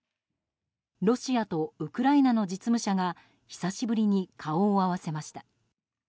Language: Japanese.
ロシアとウクライナの実務者が久しぶりに顔を合わせました。